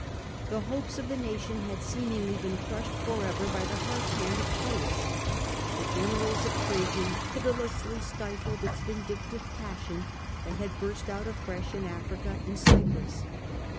The hopes of the nation had seemingly been crushed for ever by the harsh hand of Titus ; the generals of Trajan pitilessly stifled its vin dictive passion that had burst out afresh in Africa and Cyprus.